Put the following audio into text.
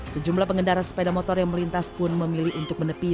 sejumlah pengendara sepeda motor yang melintas pun memilih untuk menepi